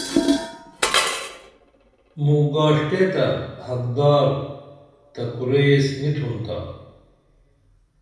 موں گاݜٹیہ حقدار تہ کُرئی ایس نی تُھن تا